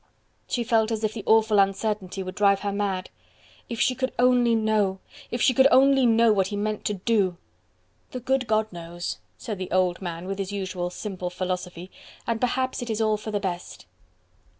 She felt as if the awful uncertainty would drive her mad. If she could only know! If she could only know what he meant to do. "The good God knows!" said the old man, with his usual simple philosophy, "and perhaps it is all for the best."